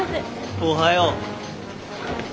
おはよう。